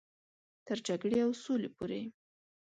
تر جګړې او سولې پورې.